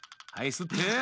すって！